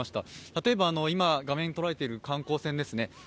例えば今、画面が捉えている観光船ですね。